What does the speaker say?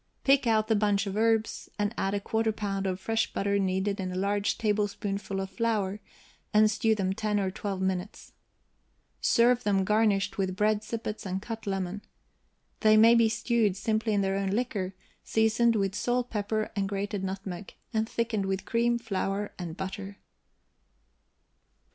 Pick out the bunch of herbs, and add a quarter pound of fresh butter kneaded in a large tablespoonful of flour, and stew them ten or twelve minutes. Serve them garnished with bread sippets and cut lemon. They may be stewed simply in their own liquor, seasoned with salt, pepper, and grated nutmeg, and thickened with cream, flour, and butter.